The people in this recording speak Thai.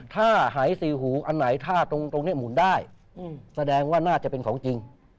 ถ้าหายสี่หูอันไหนถ้าตรงนี้หมุนได้แสดงว่าน่าจะเป็นของจริง